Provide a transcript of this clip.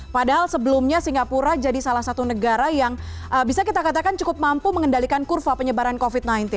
padahal sebelumnya singapura jadi salah satu negara yang bisa kita katakan cukup mampu mengendalikan kurva penyebaran covid sembilan belas